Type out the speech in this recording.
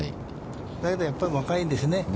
だけど、やっぱり若いんですね。